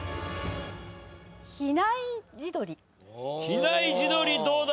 比内地鶏どうだ？